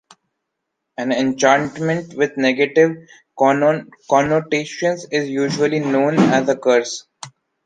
An enchantment with negative connotations is usually known as a curse.